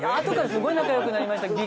後からすごい仲よくなりました。